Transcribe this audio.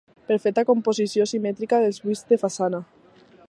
Perfecta composició simètrica dels buits de façana.